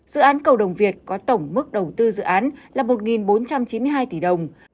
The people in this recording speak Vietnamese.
dự án cầu đồng việt có tổng mức đầu tư dự án là một bốn trăm chín mươi hai tỷ đồng